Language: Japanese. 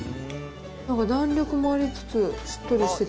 なんか弾力もありつつしっとりしてて。